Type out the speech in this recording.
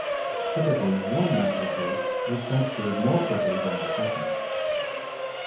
Typically, one methyl group is transferred more quickly than the second.